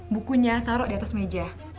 bukunya taruh di atas meja